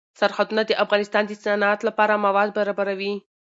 سرحدونه د افغانستان د صنعت لپاره مواد برابروي.